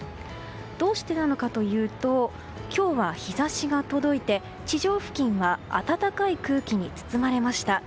どうしてなのかというと今日は日差しが届いて地上付近は暖かい空気に包まれました。